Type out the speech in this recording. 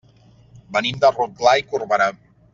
Venim de Rotglà i Corberà.